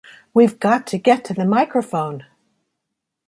'We've got to get to the microphone!